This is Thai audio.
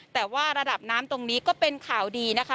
แต่ว่าระดับน้ำตรงนี้ก็เป็นข่าวดีนะคะ